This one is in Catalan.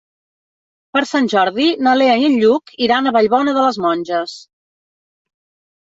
Per Sant Jordi na Lea i en Lluc iran a Vallbona de les Monges.